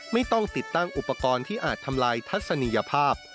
ไม่ต้องติดตั้งอุปกรณ์ที่อาจทำลายทัศนียภาพ